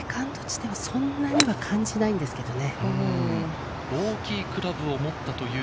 セカンド地点、そんなには感じないんですけどね。